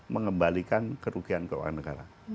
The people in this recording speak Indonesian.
mengembalikan kerugian keuangan negara